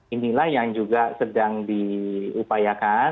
inilah yang juga sedang diupayakan